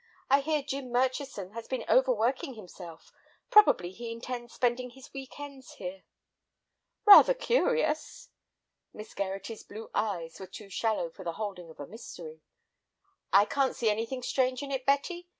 I hear Jim Murchison has been overworking himself. Probably he intends spending his week ends here." "Rather curious." Miss Gerratty's blue eyes were too shallow for the holding of a mystery. "I can't see anything strange in it, Betty.